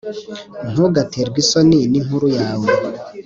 ntugaterwe isoni ninkuru yawe.